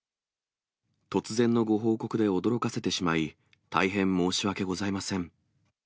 突然のご報告で驚かせてしまい、大変申し訳ございません。